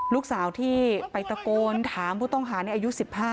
ลูกสาวที่ไปตะโกนถามผู้ต้องหาในอายุ๑๕